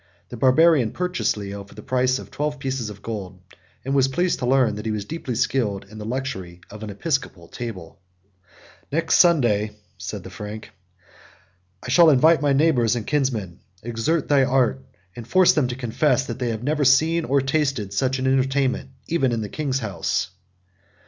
The Barbarian purchased Leo for the price of twelve pieces of gold; and was pleased to learn that he was deeply skilled in the luxury of an episcopal table: "Next Sunday," said the Frank, "I shall invite my neighbors and kinsmen. Exert thy art, and force them to confess, that they have never seen, or tasted, such an entertainment, even in the king's house."